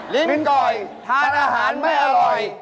กินก่อนทานอาหารไม่อร่อย